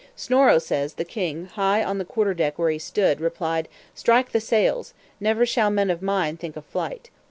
Snorro says, the king, high on the quarter deck where he stood, replied, "Strike the sails; never shall men of mine think of flight.